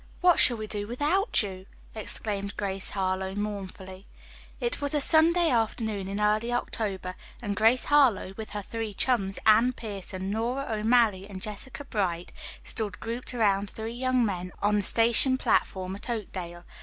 What shall we do without you?" exclaimed Grace Harlowe mournfully. It was a sunny afternoon in early October, and Grace Harlowe with her three chums, Anne Pierson, Nora O'Malley and Jessica Bright, stood grouped around three young men on the station platform at Oakdale.